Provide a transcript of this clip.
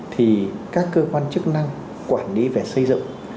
thì các cơ quan chức năng quản lý về xây dựng